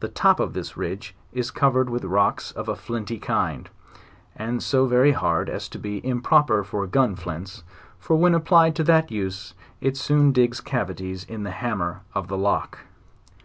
The top of this ridge is covered with rocks of a flinty kind, and so very hard as to be impro per for gun flints, for when applied to that use it soon digs cavities in the hammer of the lock.